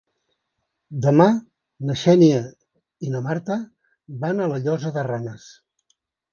Demà na Xènia i na Marta van a la Llosa de Ranes.